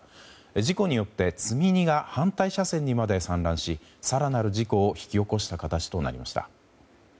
事故によって積み荷が反対車線にまで散乱し更なる事故を引き起こした形となりました。